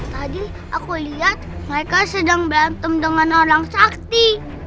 tadi aku lihat mereka sedang banteng dengan orang sakti